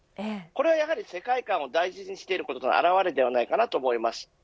これは世界観を大事にしていることの現れではないかと思います。